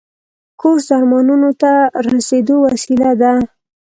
کورس د ارمانونو ته رسیدو وسیله ده.